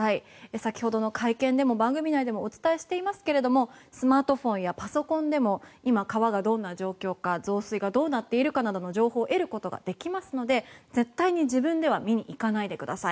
先ほどの会見でも番組内でもお伝えしていますがスマートフォンやパソコンでも今、川がどんな状況なのか増水がどうなっているかという情報を入手することができますので、絶対に自分では見に行かないでください。